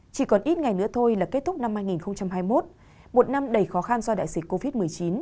chỉ còn ít ngày nữa thôi là kết thúc năm hai nghìn hai mươi một một năm đầy khó khăn do đại dịch covid một mươi chín